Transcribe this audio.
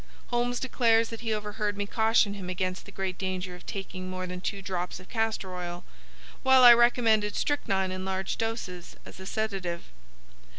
Holmes declares that he overheard me caution him against the great danger of taking more than two drops of castor oil, while I recommended strychnine in large doses as a sedative.